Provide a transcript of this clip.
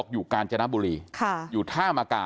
อยู่การจนบุรีอยู่ธ่ามกา